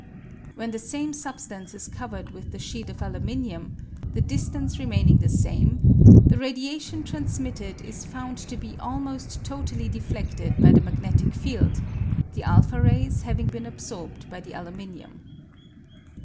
When the same substance is covered with the sheet of aluminium, the distance re maining the same, the radiation transmitted is found to be almost totally deflecfted by the magnetic field, the a rays having been absorbed by the aluminium.